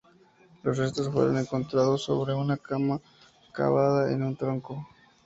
Los restos fueron encontrados sobre una cama cavada en un tronco.